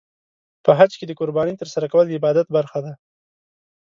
په حج کې د قربانۍ ترسره کول د عبادت برخه ده.